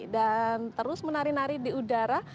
dan terus menari nari di udara